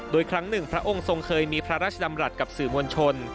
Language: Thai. โดยครั้งหนึ่งพระองค์ทรงเคยมีพระราชดำรัฐกับสื่อมวลชน